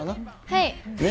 はい。